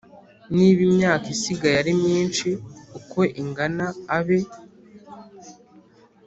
Niba imyaka isigaye ari myinshi uko ingana abe